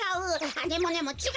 アネモネもちがう。